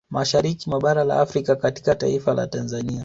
Mashariki mwa bara la Afrika katika taifa la Tanzania